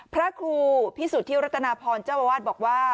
พระครูพิสุทธิรัตนาพรเจ้าอาวาสบอกว่า